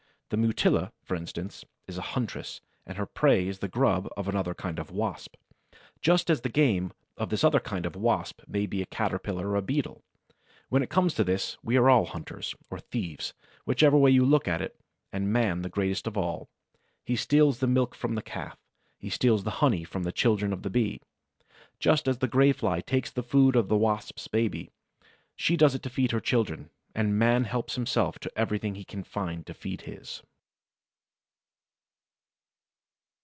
The Mutilla, for instance, is a huntress, and her prey is the grub of another kind of Wasp, just as the game of this other kind of Wasp may be a Caterpillar or a Beetle. When it comes to this, we are all hunters, or thieves, whichever way you look at it, and Man the greatest of all. He steals the milk from the Calf, he steals the honey from the children of the Bee, just as the Gray Fly takes the food of the Wasps' babies. She does it to feed her children; and Man helps himself to everything he can find to feed his.